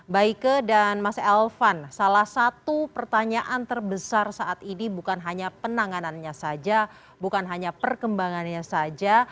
baike dan mas elvan salah satu pertanyaan terbesar saat ini bukan hanya penanganannya saja bukan hanya perkembangannya saja